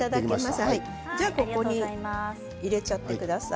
じゃあここに入れちゃってください。